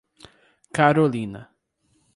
Carolina